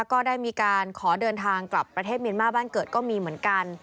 ก็ได้มีการขอเดินทางกลับประเทศเมียนมาบ้านเกิดก็มีเหมือนกัน